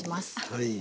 はい。